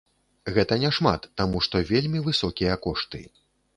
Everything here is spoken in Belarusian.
Гэта няшмат, таму што вельмі высокія кошты.